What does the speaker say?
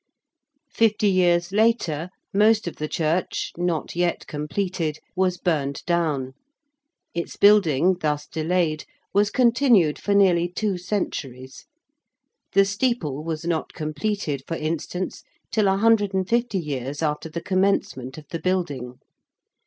Fifty years later most of the church, not yet completed, was burned down. Its building, thus delayed, was continued for nearly two centuries. The steeple was not completed, for instance, till a hundred and fifty years after the commencement of the building.